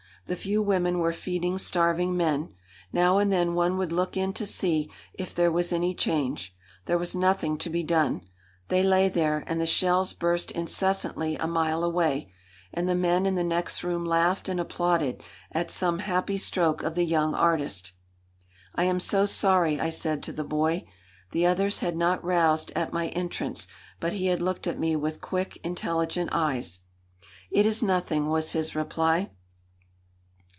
The few women were feeding starving men. Now and then one would look in to see if there was any change. There was nothing to be done. They lay there, and the shells burst incessantly a mile away, and the men in the next room laughed and applauded at some happy stroke of the young artist. "I am so sorry," I said to the boy. The others had not roused at my entrance, but he had looked at me with quick, intelligent eyes. "It is nothing!" was his reply.